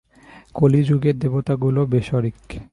কলিযুগে দেবতাগুলো বেরসিক।